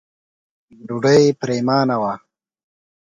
ډوډۍ پرېمانه وه.